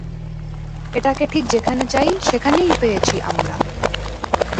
এটাকে ঠিক যেখানে চাই, সেখানেই পেয়েছি আমরা!